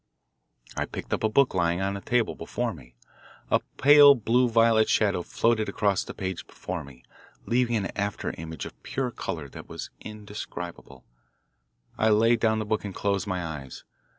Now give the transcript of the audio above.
I picked up a book lying on the table before me. A pale blue violet shadow floated across the page before me, leaving an after image of pure colour that was indescribable. I laid down the book and closed my eyes.